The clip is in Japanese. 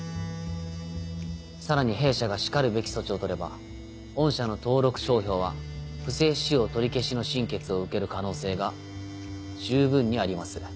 さらに弊社がしかるべき措置を取れば御社の登録商標は不正使用取消の審決を受ける可能性が十分にあります。